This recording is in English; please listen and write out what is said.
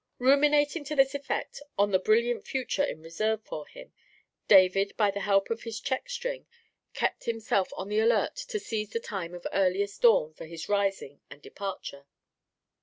Ruminating to this effect on the brilliant future in reserve for him, David by the help of his check string kept himself on the alert to seize the time of earliest dawn for his rising and departure.